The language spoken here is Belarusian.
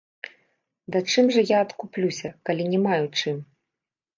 Да чым жа я адкуплюся, калі не маю чым?